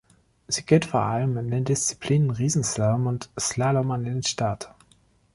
Sie geht vor allem in den Disziplinen Riesenslalom und Slalom an den Start.